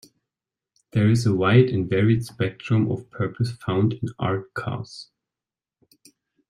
There is a wide and varied spectrum of purpose found in art cars.